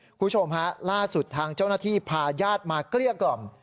คุณผู้ชมฮะล่าสุดทางเจ้าหน้าที่พาญาติมาเกลี้ยกล่อม